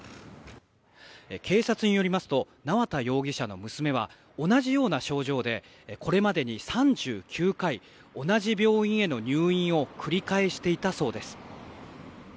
警察によりますと縄田容疑者の娘は同じような症状でこれまでに３９回同じ病院への入院を繰り返していたそうです。